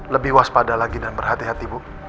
lebih waspada lagi dan berhati hati bu